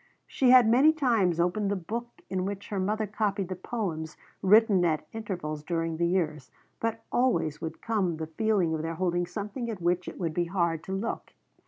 She had many times opened the book in which her mother copied the poems written at intervals during the years, but always would come the feeling of their holding something at which it would be hard to look.